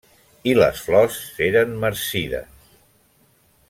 I les flors s'eren marcides.